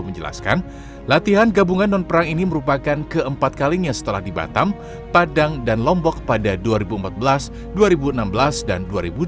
menjelaskan latihan gabungan non perang ini merupakan keempat kalinya setelah di batam padang dan lombok pada dua ribu empat belas dua ribu enam belas dan dua ribu dua puluh